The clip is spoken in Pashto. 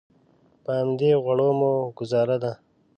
په همدې غوړو مو ګوزاره ده.